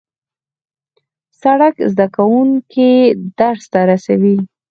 سړک زدهکوونکي درس ته رسوي.